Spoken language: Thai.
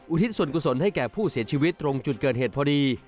ทิศส่วนกุศลให้แก่ผู้เสียชีวิตตรงจุดเกิดเหตุพอดี